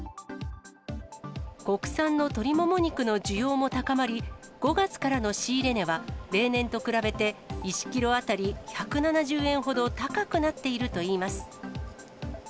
国産の鶏もも肉の需要も高まり、５月からの仕入れ値は例年と比べて、１キロ当たり１７０円ほど高くなっているといいます。